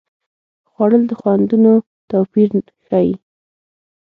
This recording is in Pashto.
خوړل د خوندونو توپیر ښيي